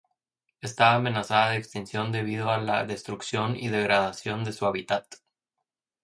Está amenazada de extinción debido a la destrucción y degradación de su hábitat.